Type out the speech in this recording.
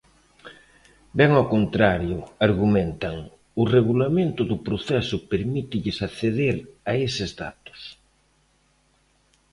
Ben ao contrario, argumentan, o regulamento do proceso permítelles acceder a eses datos.